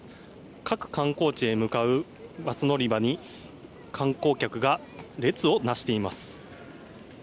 各観光地へ向かうバス乗り場に観光客が列をなしています。